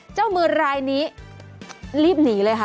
เจ้ามือรายนี้รีบหนีเลยค่ะ